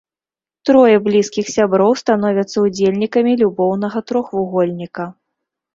Трое блізкіх сяброў становяцца ўдзельнікамі любоўнага трохвугольніка.